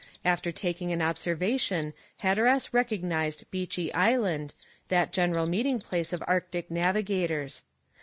After taking an observation Hatteras recognised Beechey Island, that general meeting place of Arctic navigators.